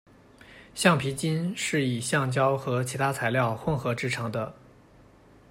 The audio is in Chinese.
橡皮筋是以橡胶和其他材料混合制成的。